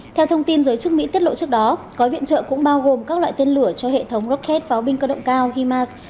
theo thông tin giới chức mỹ tiết lộ trước đó gói viện trợ cũng bao gồm các loại tên lửa cho hệ thống rocket pháo binh cơ động cao himars